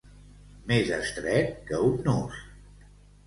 Més estret que un nus.